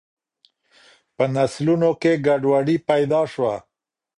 په نسلونو کي ګډوډي پیدا سوه.